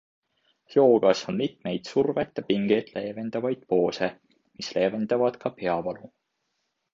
Joogas on mitmeid survet ja pingeid leevendavaid poose, mis leevendavad ka peavalu.